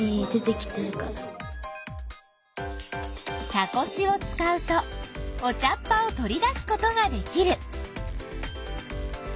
茶こしを使うとお茶っぱを取り出すことができる。